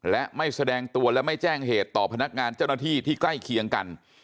และไม่แสดงตัวและไม่แจ้งเหตุต่อพนักงานเจ้าหน้าที่ที่ใกล้เคียงกัน